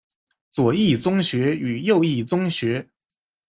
左翼宗学与右翼宗学。